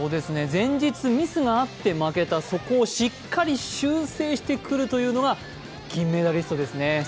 前日ミスがあって負けたそこをしっかり修正してくるというのが銀メダリストですね。